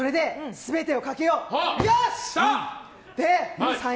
全てをかけよう。